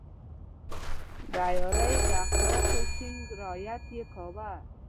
د عیارۍ د اخلاقو ټینګ رعایت يې کاوه.